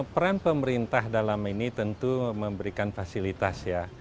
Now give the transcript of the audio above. peran pemerintah dalam ini tentu memberikan fasilitas ya